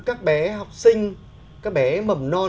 các bé học sinh các bé mầm non